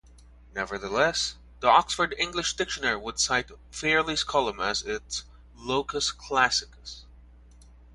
Nevertheless, the Oxford English Dictionary would cite Fairlie's column as its "locus classicus".